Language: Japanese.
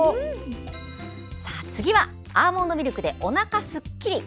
次はアーモンドミルクでおなかすっきり！